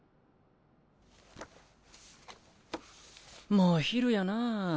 もう昼やなぁ。